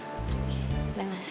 oke udah mas